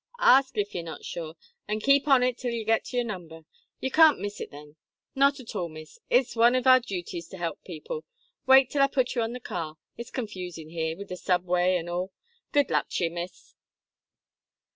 Ask, if ye're not sure an' keep on it till ye get to your number. You can't miss it thin. Not at all, miss; it's wan of our juties to help people. Wait, till I put ye on the car it's confusin' here, wid the subway an' all. Good luck to ye, miss."